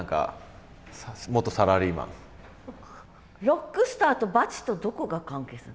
ロックスターとバチとどこが関係すんの？